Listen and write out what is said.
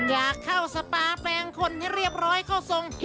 อยากเข้าสปาแปลงคนให้เรียบร้อยเข้าทรง